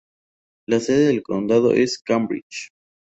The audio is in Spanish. La sede de condado es Cambridge.